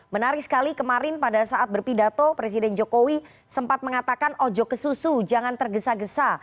menarik sekali kemarin pada saat berpidato presiden jokowi sempat mengatakan ojo ke susu jangan tergesa gesa